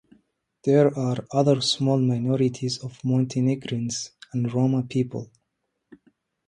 There are other small minorities of Montenegrins and Roma people.